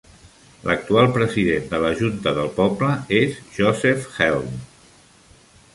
L'actual president de la junta del poble és Joseph Helm.